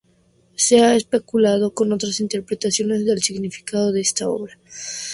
Se ha especulado con otras interpretaciones del significado de esta obra.